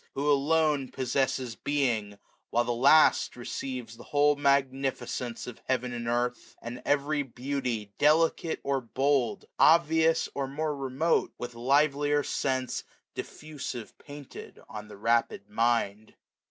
who alone Possesses being ; while the last receives The whole magnificence of heaven and earth ; And every beauty, delicate or bold, Obvious or more remote, with livelier sense, X750 Diffusive painted on the rapid mind.